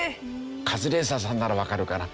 カズレーザーさんならわかるかな？